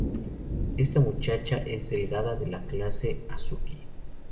Esta muchacha es la delegada de la clase de Azuki.